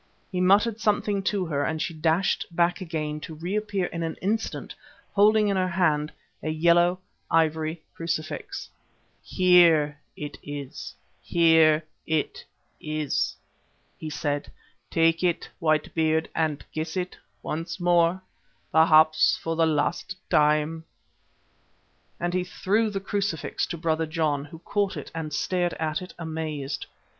He muttered something to her and she dashed back again to re appear in an instant holding in her hand a yellow ivory crucifix. "Here it is, here it is," he said. "Take it, White Beard, and kiss it once more, perhaps for the last time," and he threw the crucifix to Brother John, who caught it and stared at it amazed.